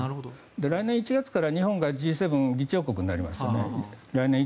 来年１月から日本がＧ７議長国になりますね。